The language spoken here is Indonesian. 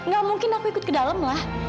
gak mungkin aku ikut ke dalam lah